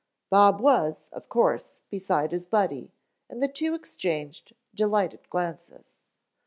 Bob was, of course, beside his Buddy, and the two exchanged delighted glances.